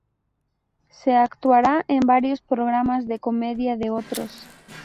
Se actuará en varios programas de comedia de otros.